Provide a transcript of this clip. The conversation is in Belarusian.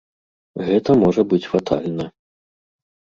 Гэта можа быць фатальна.